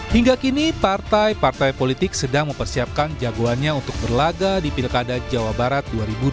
hingga kini partai partai politik sedang mempersiapkan jagoannya untuk berlaga di pilkada jawa barat dua ribu dua puluh